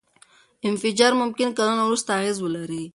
انفجار ممکن کلونه وروسته اغېز ولري.